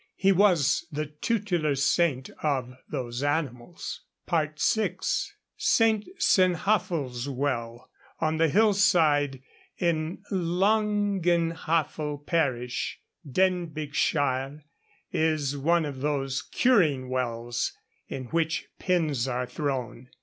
He was the tutelar saint of those animals.' VI. St. Cynhafal's well, on a hillside in Llangynhafal parish, Denbighshire, is one of those curing wells in which pins are thrown.